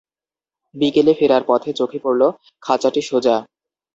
বিকেলে ফেরার পথে চোখে পড়ল, খাঁচাটি সোজা।